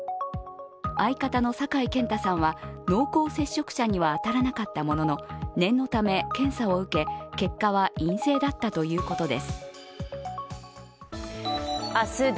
相方の酒井健太さんは濃厚接触者には当たらなかったものの念のため検査を受け、結果は陰性だったということです。